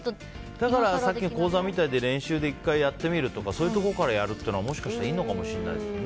だからさっきの講座みたいに練習で１回やるとかそういうところからやるというのはもしかしたらいいのかもしれませんね。